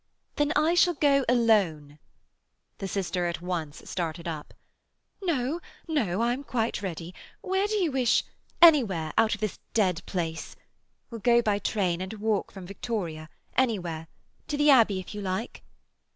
"Then I shall go alone." The sister at once started up. "No, no; I'm quite ready. Where do you wish—" "Anywhere out of this dead place. We'll go by train, and walk from Victoria—anywhere. To the Abbey, if you like."